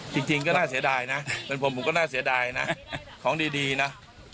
จริงก็น่าเสียดายนะเป็นผมผมก็น่าเสียดายนะของดีนะ